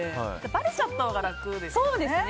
ばれちゃったほうが楽ですよね。